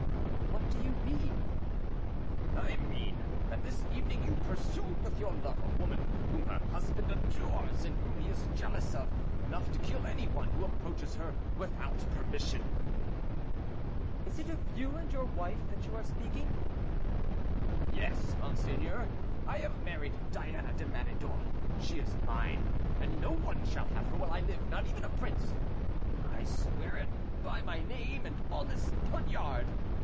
"What do you mean?" "I mean that, this evening, you pursued with your love a woman whom her husband adores, and whom he is jealous of, enough to kill any one who approaches her without permission." "Is it of you and your wife that you are speaking?" "Yes, monseigneur. I have married Diana de Méridor; she is mine, and no one shall have her while I live not even a prince; I swear it by my name and on this poniard!"